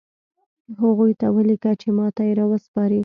هغوی ته ولیکه چې ماته یې راوسپاري